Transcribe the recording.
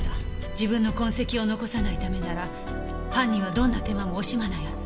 自分の痕跡を残さないためなら犯人はどんな手間も惜しまないはず。